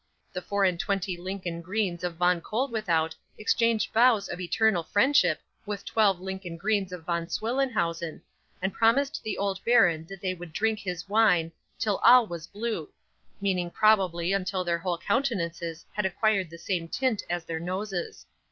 The four and twenty Lincoln greens of Von Koeldwethout exchanged vows of eternal friendship with twelve Lincoln greens of Von Swillenhausen, and promised the old baron that they would drink his wine "Till all was blue" meaning probably until their whole countenances had acquired the same tint as their noses.